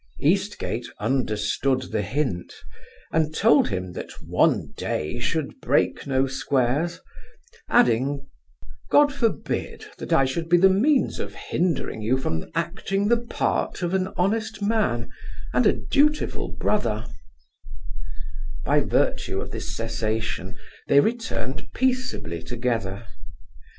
Eastgate understood the hint; and told him, that one day should break no squares: adding, 'God forbid that I should be the means of hindering you from acting the part of an honest man, and a dutiful brother' By virtue of this cessation, they returned peaceably together.